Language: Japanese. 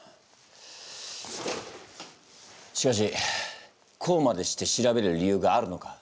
しかしこうまでして調べる理由があるのか？